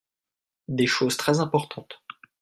Des choses très importantes.